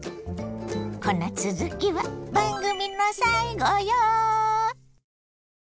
このつづきは番組の最後よ。